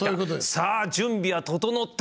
さあ準備は整った！